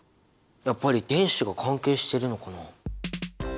やっぱり電子が関係してるのかな？